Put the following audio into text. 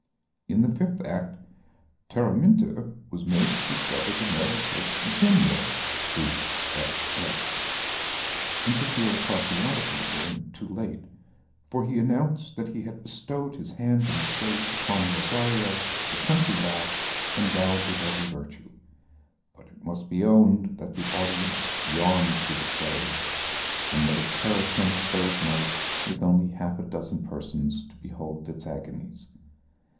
In the fifth act, Teraminta was made to discover the merits of Eugenio (the F. F.), and to feel a partiality for him too late; for he announced that he had bestowed his hand and estate upon Rosaria, a country lass, endowed with every virtue. But it must be owned that the audience yawned through the play; and that it perished on the third night, with only half a dozen persons to behold its agonies.